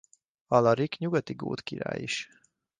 Alarik nyugati gót király is.